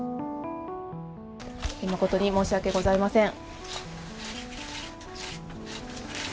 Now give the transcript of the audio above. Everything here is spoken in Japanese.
誠に申し訳ございません。